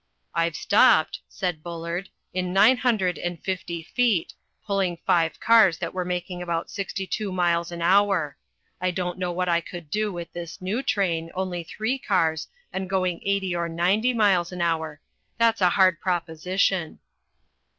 "I've stopped," said Bullard, "in nine hundred and fifty feet, pulling five cars that were making about sixty two miles an hour. I don't know what I could do with this new train, only three cars, and going eighty or ninety miles an hour. That's a hard proposition."